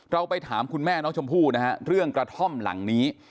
ไปถามคุณแม่น้องชมพู่นะฮะเรื่องกระท่อมหลังนี้